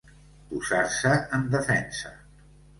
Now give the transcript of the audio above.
Posar-se en defensa.